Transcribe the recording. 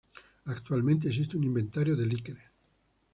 Actualmente existe un inventario de líquenes.